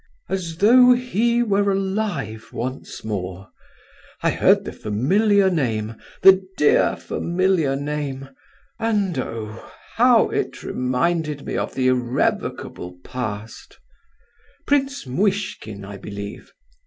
"As though he were alive once more. I heard the familiar name—the dear familiar name—and, oh! how it reminded me of the irrevocable past—Prince Muishkin, I believe?"